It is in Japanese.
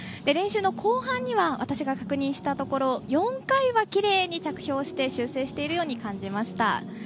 練習の後半には私が確認したところ４回はきれいに着氷して修正しているように感じました。